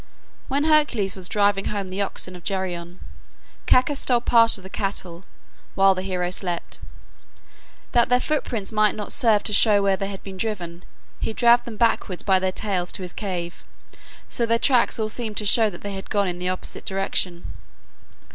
When Hercules was driving home the oxen of Geryon, Cacus stole part of the cattle, while the hero slept. That their footprints might not serve to show where they had been driven, he dragged them backward by their tails to his cave; so their tracks all seemed to show that they had gone in the opposite direction.